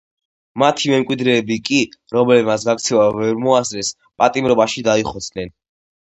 მათი მემკვიდრეები კი, რომლებმაც გაქცევა ვერ მოასწრეს, პატიმრობაში დაიხოცნენ.